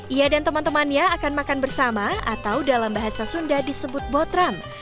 ia dan teman temannya akan makan bersama atau dalam bahasa sunda disebut botram